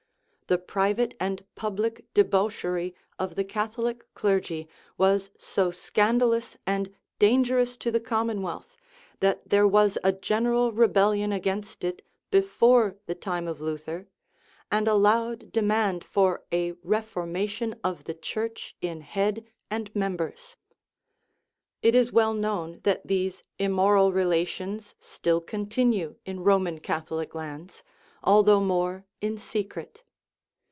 The private and public debauchery of the Catholic clergy was so scandalous and dangerous to the com monwealth that there was a general rebellion against it before the time of Luther, and a loud demand for a " reformation of the church in head and members." It is well known that these immoral relations still con tinue in Roman Catholic lands, although more in secret.